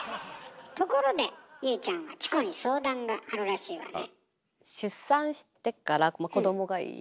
ところで優ちゃんはチコに相談があるらしいわね。